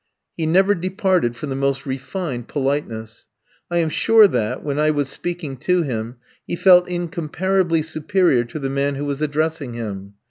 He never departed from the most refined politeness. I am sure that, when I was speaking to him, he felt incomparably superior to the man who was addressing him.